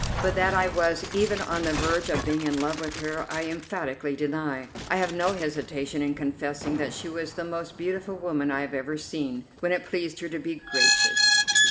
But that I was even on the verge of being in love with her I emphatically deny. I have no hesitation in confessing that she was the most beautiful woman I have ever seen, when it pleased her to be gracious.